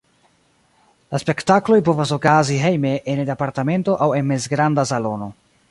La spektakloj povas okazi hejme, ene de apartamento, aŭ en mezgranda salono.